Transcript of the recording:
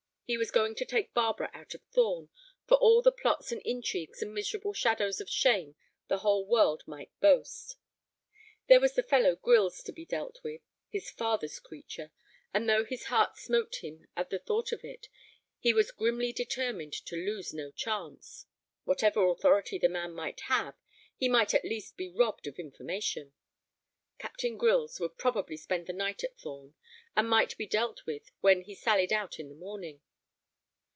He was going to take Barbara out of Thorn, for all the plots and intrigues and miserable shadows of shame the whole world might boast. There was the fellow Grylls to be dealt with, his father's creature, and though his heart smote him at the thought of it, he was grimly determined to lose no chance. Whatever authority the man might have, he might at least be robbed of information. Captain Grylls would probably spend the night at Thorn, and might be dealt with when he sallied out in the morning.